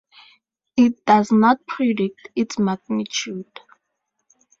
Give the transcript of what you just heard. It does not predict its magnitude.